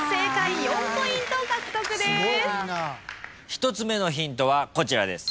１つ目のヒントはこちらです。